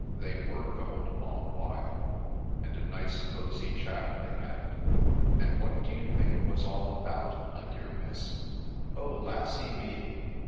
They were gone a long while, and a nice cosy chat they had ; and what do you think it was all about, my dear miss ?' O, lassy me